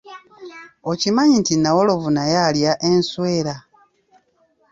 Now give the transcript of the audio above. Okimanyi nti nnawolovu naye alya enswera?